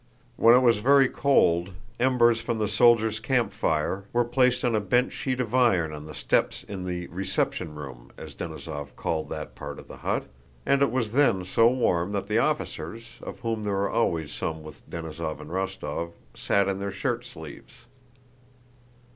When it was very cold, embers from the soldiers' campfire were placed on a bent sheet of iron on the steps in the "reception room"—as Denísov called that part of the hut—and it was then so warm that the officers, of whom there were always some with Denísov and Rostóv, sat in their shirt sleeves.